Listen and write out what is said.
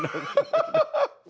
ハハハハ！